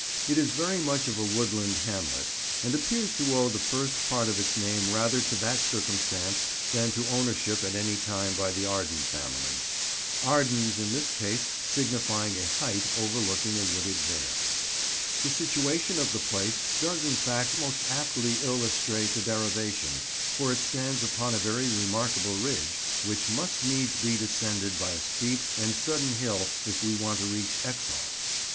It is very much of a woodland hamlet, and appears to owe the first part of its name rather to that circumstance than to ownership at any time by the Arden family: Ardens in this case signifying a height overlooking a wooded Vale. [Picture: The Hollow Road, Exhall] The situation of the place does in fact most aptly illustrate the derivation, for it stands upon a very remarkable ridge, which must needs be descended by a steep and sudden hill if we want to reach Exhall.